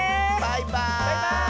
バイバーイ！